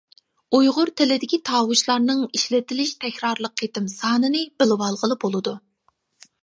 ئۇيغۇر تىلىدىكى تاۋۇشلارنىڭ ئىشلىتىلىش تەكرارلىق قېتىم سانىنى بىلىۋالغىلى بولىدۇ.